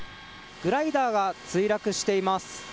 グライダーが墜落しています。